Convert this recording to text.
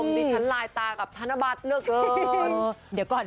นี่ฉันลายตากับธนบัตรเลือกเกิน